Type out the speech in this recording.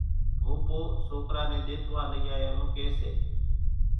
ڀوپو سوڪرا نين ۮيتوا لئي آيا نون ڪي سي